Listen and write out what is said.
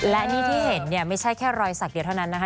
และนี่ที่เห็นเนี่ยไม่ใช่แค่รอยสักเดียวเท่านั้นนะคะ